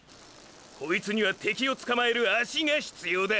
こいつには敵をつかまえる足が必要だ！！